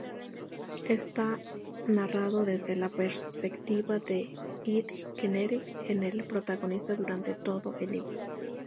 Está narrado desde la perspectiva de Ed Kennedy, el protagonista durante todo el libro.